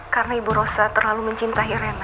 karena ibu rosa terlalu mencintai rena